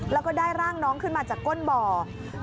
แล้วก็ได้ร่างน้องขึ้นมาจากก้นบ่อ